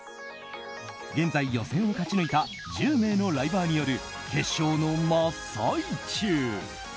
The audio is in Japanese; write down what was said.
現在、予選を勝ち抜いた１０名のライバーによる決勝の真っ最中。